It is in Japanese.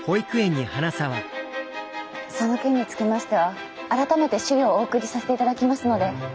その件につきましては改めて資料をお送りさせていただきますので。